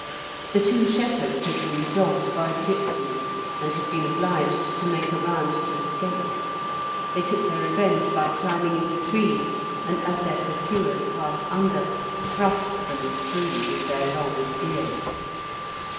The two shepherds had been dogged by gipsies, and had been obliged to make a round to escape. They took their revenge by climbing into trees, and as their pursuers passed under thrust them through with their long spears.